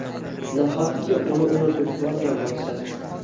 Nahotki uni unutib yuborgan bo`lsa